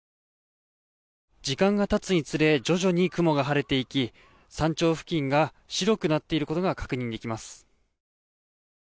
時間が経つにつれ徐々に雲が晴れていき山頂付近が白くなっていることが確認できます。